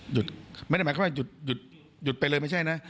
ไม่ได้หมายความว่าหยุดหยุดไปเลยไม่ใช่นะ